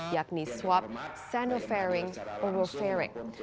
yakni swab sanofaring oropharing